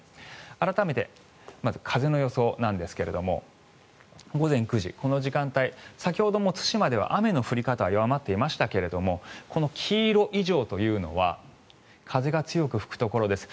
改めて、まず風の予想なんですが午前９時、この時間帯先ほども対馬では雨の降り方は弱まっていましたけれども黄色以上というのは風が強く吹くところです。